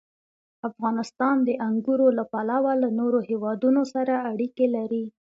افغانستان د انګورو له پلوه له نورو هېوادونو سره اړیکې لري.